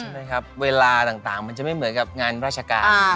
นะครับเวลาต่างมันจะไม่เหมือนกับงานราชการ